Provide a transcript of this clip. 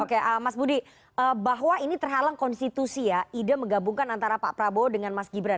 oke mas budi bahwa ini terhalang konstitusi ya ide menggabungkan antara pak prabowo dengan mas gibran